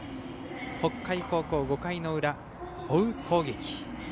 北海高校５回の裏、追う攻撃。